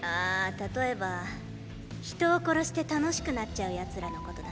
例えば人を殺して楽しくなっちゃう奴らのことだな。